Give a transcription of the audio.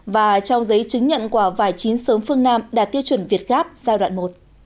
và trao giấy chứng nhận quả vải chín sớm phương nam đạt tiêu chuẩn việt gáp giai đoạn một